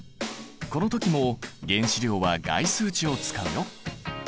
この時も原子量は概数値を使うよ。